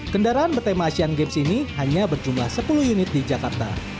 kendaraan bertema asian games ini hanya berjumlah sepuluh unit di jakarta